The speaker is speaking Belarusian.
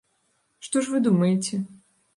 Што ж вы думаеце?